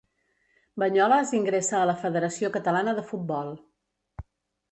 Banyoles ingressa a la Federació Catalana de Futbol.